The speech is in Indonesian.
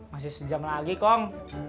masih sejam lagi kong